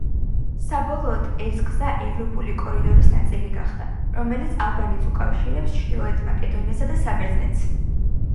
საბოლოოდ, ეს გზა ევროპული კორიდორის ნაწილი გახდა, რომელიც ალბანეთს უკავშირებს ჩრდილოეთ მაკედონიასა და საბერძნეთს.